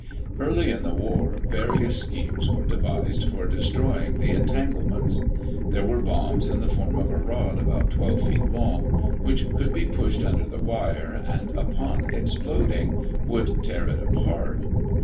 Early in the war, various schemes were devised for destroying the entanglements. There were bombs in the form of a rod about twelve feet long, which could be pushed under the wire and upon exploding would tear it apart.